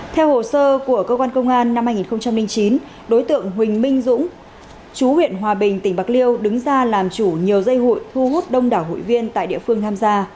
theo hồ sơ của cơ quan công an năm hai nghìn chín đối tượng huỳnh minh dũng chú huyện hòa bình tỉnh bạc liêu đứng ra làm chủ nhiều dây hụi thu hút đông đảo hụi viên tại địa phương tham gia